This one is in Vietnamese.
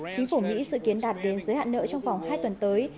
chính phủ mỹ dự kiến đạt đến giới hạn nợ trong vòng hai tuần tới